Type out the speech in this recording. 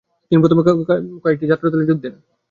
তিনি প্ৰথমে কয়েকটি যাত্ৰাদলে যোগ দেন।